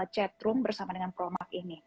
chatroom bersama dengan promak ini